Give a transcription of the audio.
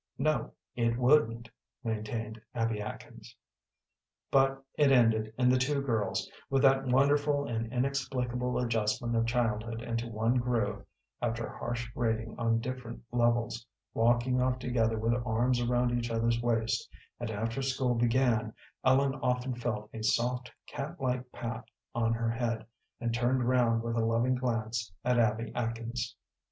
"No, it wouldn't," maintained Abby Atkins. But it ended in the two girls, with that wonderful and inexplicable adjustment of childhood into one groove after harsh grating on different levels, walking off together with arms around each other's waist, and after school began Ellen often felt a soft, cat like pat on her head, and turned round with a loving glance at Abby Atkins.